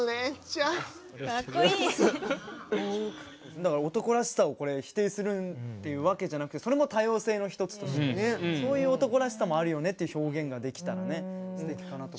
だから男らしさをこれ否定するっていうわけじゃなくてそれも多様性の一つとしてねそういう男らしさもあるよねっていう表現ができたらねすてきかなと。